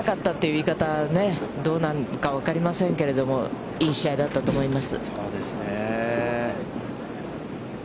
簡単には勝たせなかったというかね、どうなのかはわかりませんけれども、いい試合だったと思います。